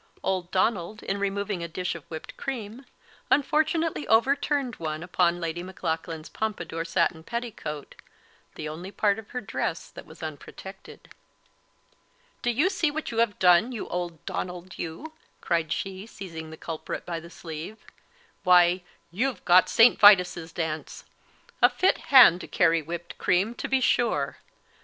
Old Donald, in removing a dish of whipt cream, unfortunately overturned one upon Lady Maclaughlan's pompadour satin petticoat the only part of her dress that was unprotected. "Do you see what you have done, you old Donald, you?" cried she, seizing the culprit by the sleeve; "why, you've got St. Vitus's dance. A fit hand to carry whipt cream, to be sure!